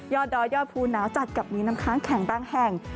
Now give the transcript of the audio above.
ดอยยอดภูหนาวจัดกับมีน้ำค้างแข็งบางแห่ง